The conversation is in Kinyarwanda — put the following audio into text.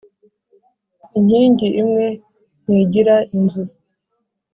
Inkingi imwe ntigira inzu.